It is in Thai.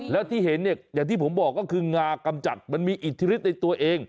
แล้วที่เห็นเนี่ยอย่างที่ผมบอกก็คืองากำจัดมันมีอิทธิฤทธิในตัวเอง